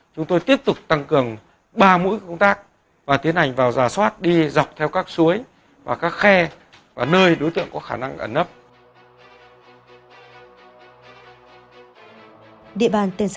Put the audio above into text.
cho toàn bộ lực lượng phối hợp với công an xã để tìm kiếm đối tượng đặng văn hùng